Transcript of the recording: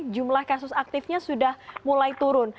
jumlah kasus aktifnya sudah mulai turun